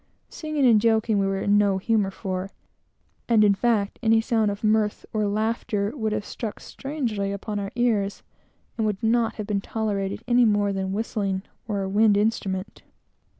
Singing and joking, we were in no humor for, and, in fact, any sound of mirth or laughter would have struck strangely upon our ears, and would not have been tolerated, any more than whistling, or a wind instrument.